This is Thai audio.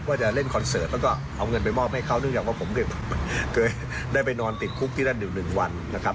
ว่าจะเล่นคอนเสิร์ตแล้วก็เอาเงินไปมอบให้เขาเนื่องจากว่าผมเคยได้ไปนอนติดคุกที่นั่นอยู่๑วันนะครับ